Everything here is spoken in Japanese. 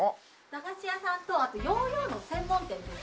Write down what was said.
駄菓子屋さんとあとヨーヨーの専門店です。